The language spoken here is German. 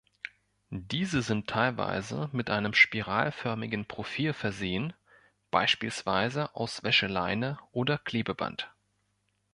Diese sind teilweise mit einem spiralförmigen Profil versehen, beispielsweise aus Wäscheleine oder Klebeband.